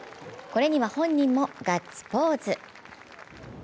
これには本人もガッツポーズ。